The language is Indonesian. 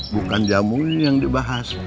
bukan jamu yang dibahas